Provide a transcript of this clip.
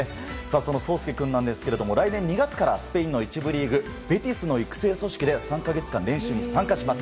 その颯亮君ですが来年２月からスペイン１部リーグベティスの育成組織で３か月間練習に参加します。